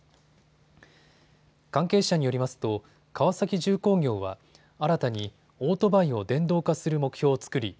関係者によりますと川崎重工業は新たにオートバイを電動化する目標を作り